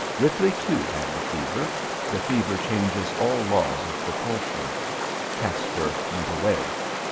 Ripley, too, had the fever. The fever changes all laws of proportion. Caspar went away.